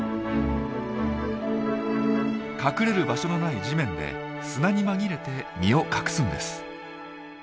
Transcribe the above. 隠れる場所がない地面で砂に紛れて身を隠すんです。